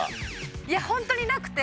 いやホントになくて。